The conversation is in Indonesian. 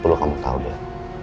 perlu kamu tau bel